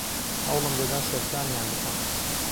هەوڵم دەدا سەرسامیان بکەم.